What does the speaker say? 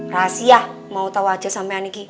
rahasia mau tau aja sampe ane iki